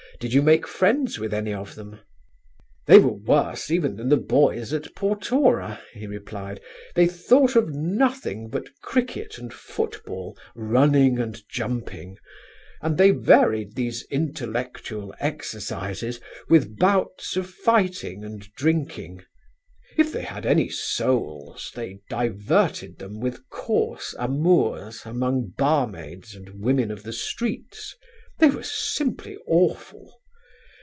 "Did you make friends with any of them?" "They were worse even than the boys at Portora," he replied; "they thought of nothing but cricket and football, running and jumping; and they varied these intellectual exercises with bouts of fighting and drinking. If they had any souls they diverted them with coarse amours among barmaids and the women of the streets; they were simply awful.